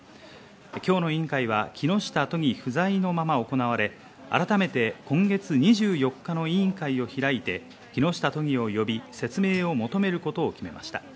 今日の委員会は木下都議不在のまま行われ、改めて今月２４日の委員会を開いて木下都議を呼び、説明を求めることを決めました。